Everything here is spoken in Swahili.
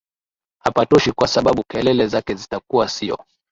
hapatoshi kwa sababu kelele zake zitakuwa siyo